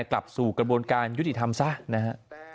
กลับสู่กระบวนการยุติธรรมซะนะฮะ